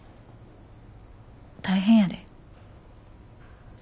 大変やで。